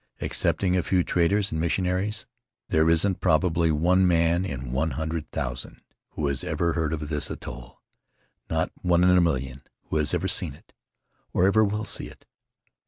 Except ing a few traders and missionaries, there isn't probably one man in one hundred thousand who has ever heard of this atoll; not one in a million who has ever seen it or ever will see it.